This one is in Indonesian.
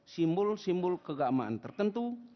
simbol simbol keagamaan tertentu